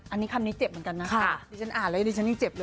อันนี้คำนี้เจ็บเหมือนกันนะคะดิฉันอ่านแล้วดิฉันยังเจ็บเลย